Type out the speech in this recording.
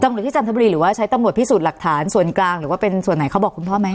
หรือที่จันทบุรีหรือว่าใช้ตำรวจพิสูจน์หลักฐานส่วนกลางหรือว่าเป็นส่วนไหนเขาบอกคุณพ่อไหม